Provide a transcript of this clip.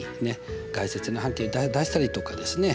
外接円の半径出したりとかですね